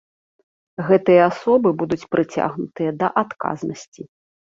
Гэтыя асобы будуць прыцягнутыя да адказнасці.